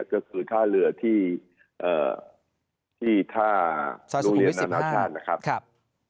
ก็คือท่าเรือที่ท่ารุเรียนอำนาจภัณฑ์นะครับ